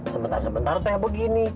sebentar sebentar teh begini